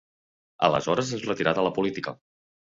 Aleshores es retirà de la política.